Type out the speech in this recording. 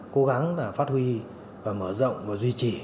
cố gắng phát huy và mở rộng và duy trì